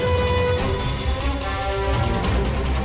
tidak ada yang bisa dihukum